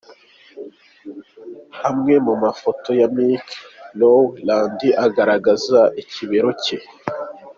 Amwe mu mafoto ya Meek Rowland agaragaza ikimero cye.